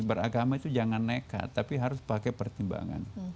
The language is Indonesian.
beragama itu jangan nekat tapi harus pakai pertimbangan